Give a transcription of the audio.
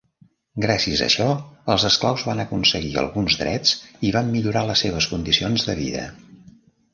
Gràcies a això, els esclaus van aconseguir alguns drets i van millorar les seves condicions de vida.